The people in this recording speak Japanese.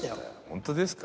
ホントですか？